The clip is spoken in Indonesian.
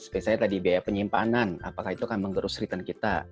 misalnya tadi biaya penyimpanan apakah itu akan menggerus return kita